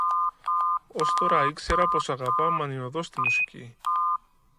Ως τώρα ήξερα πως αγαπά μανιωδώς τη μουσική